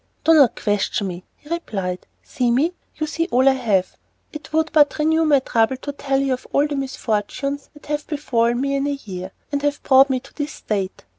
"Do not question me," he replied, "see me, you see all I have. It would but renew my trouble to tell of all the misfortunes that have befallen me in a year, and have brought me to this state."